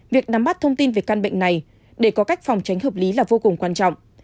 việc nắm bắt thông tin về căn bệnh này để có cách phòng tránh hợp lý là vô cùng quan trọng